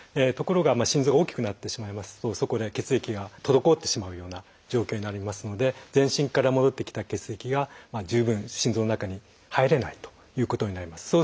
ところが心臓が大きくなってしまいますとそこで血液が滞ってしまうような状況になりますので全身から戻ってきた血液が十分心臓の中に入れないということになります。